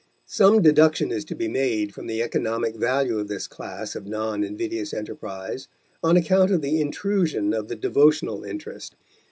Some deduction is to be made from the economic value of this class of non invidious enterprise, on account of the intrusion of the devotional interest.